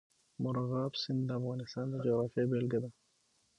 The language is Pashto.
مورغاب سیند د افغانستان د جغرافیې بېلګه ده.